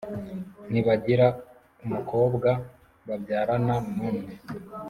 ntibagira umukobwa babyarana numwe